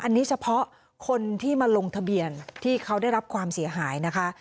อันนี้เฉพาะคนที่มาลงทะเบียนที่เขาได้รับความเสียหายนะคะ